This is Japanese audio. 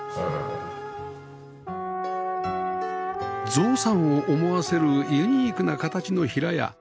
象さんを思わせるユニークな形の平屋